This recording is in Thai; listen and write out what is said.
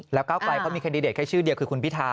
แล้วก้าวไกลเขามีแคนดิเดตแค่ชื่อเดียวคือคุณพิธา